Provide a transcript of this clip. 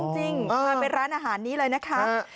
จริงพาไปร้านอาหารนี้เลยนะคะ